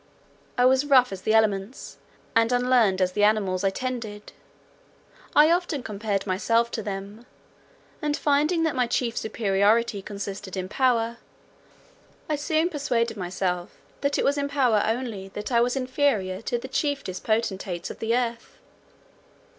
I was rough as the elements, and unlearned as the animals I tended. I often compared myself to them, and finding that my chief superiority consisted in power, I soon persuaded myself that it was in power only that I was inferior to the chiefest potentates of the earth.